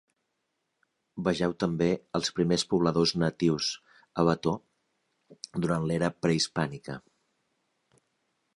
Vegeu també Els primers pobladors natius a Bato durant l'era prehispànica.